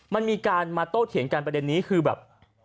มันมีการมาโต้เถียงกันประเด็นนี้คือแบบ